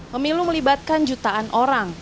pemilu melibatkan jutaan orang